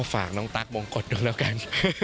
ก็ฝากน้องตั๊กมงกฎดูแล้วกัน